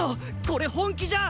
これ本気じゃ！